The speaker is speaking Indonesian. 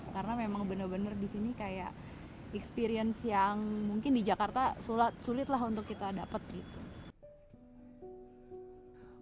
karena memang bener bener di sini kayak experience yang mungkin di jakarta sulit lah untuk kita dapat gitu